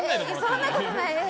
そんなことないです。